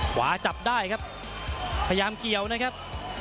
ขวาจับได้ครับพยายามเกี่ยวนะครับ